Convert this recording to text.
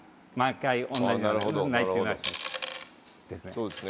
そうですね。